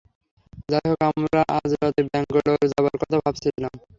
যাইহোক, আমরা আজ রাতে ব্যাঙ্গালোর যাবার কথা ভাবছিলাম।